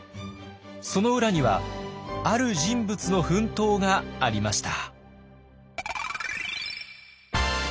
その裏にはある人物の奮闘がありました。